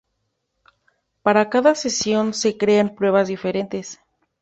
Para cada sesión se crean pruebas diferentes.